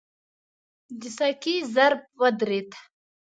د سکې ضرب ودرېد.